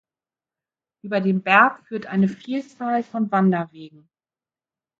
Über den Berg führt eine Vielzahl von Wanderwegen.